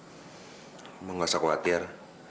oma gak usah khawatir